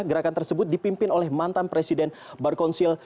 gerakan tersebut dipimpin oleh mantan presiden baru konsil